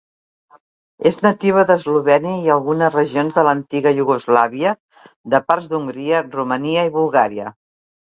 És nativa d'Eslovènia, i algunes regions de l'antiga Iugoslàvia, de parts d'Hongria, Romania, i Bulgària.